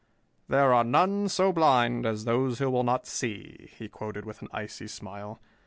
"There are none so blind as those who will not see," he quoted with an icy smile.